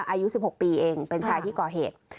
อายุ๑๖ปีเองเป็นชายที่ก่อเหตุ